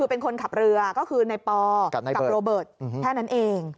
เป็นคนขับเรือก็คือในปอกับโรเบิร์ตแค่นั้นเอง